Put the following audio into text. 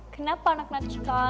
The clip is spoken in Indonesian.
kenapa anak nacikal